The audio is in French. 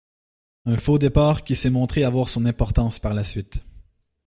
Un faux-départ qui s’est montré avoir son importance par la suite.